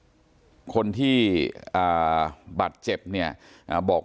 แล้วหลังจากนั้นเราขับหนีเอามามันก็ไล่ตามมาอยู่ตรงนั้น